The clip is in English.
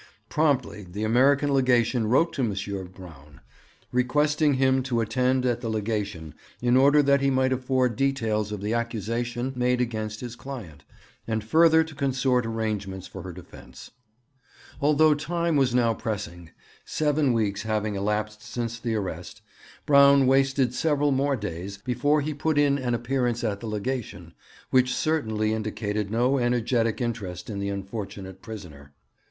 Promptly the American Legation wrote to M. Braun, requesting him to attend at the Legation in order that he might afford details of the accusation made against his client, and further to consort arrangements for her defence. Although time was now pressing, seven weeks having elapsed since the arrest, Braun wasted several more days before he put in an appearance at the Legation, which certainly indicated no energetic interest in the unfortunate prisoner.